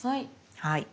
はい。